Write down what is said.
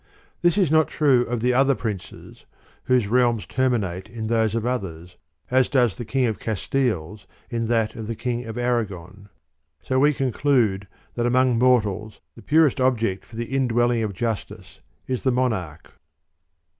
This is not true of the other princes, whose realms terminate in those of others, ias does the King of Castile's in that of the King of Aragon. So we conclude that among mortals the purest subject for the indwelling of justice is the Monarch.